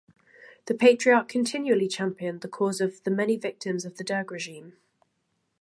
The Patriarch continually championed the cause of the many victims of the Derg regime.